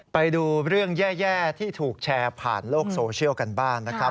ไปดูเรื่องแย่ที่ถูกแชร์ผ่านโลกโซเชียลกันบ้างนะครับ